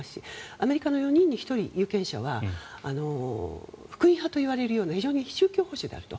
アメリカの４人に１人、有権者は福音派といわれるような非常に宗教保守であると。